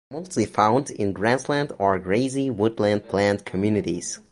Mostly found in grassland or grassy woodland plant communities.